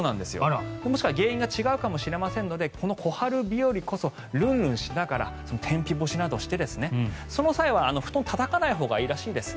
もしかしたら原因が違うかもしれませんのでこの小春日和こそルンルンしながら天日干しなどしてその際は布団をたたかないほうがいいらしいです。